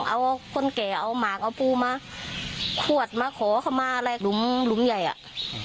เอาคนแก่เอาหมากเอาปูมาขวดมาขอเข้ามาอะไรหลุมหลุมใหญ่อ่ะ